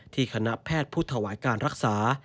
คณะแพทย์ผู้ถวายการรักษา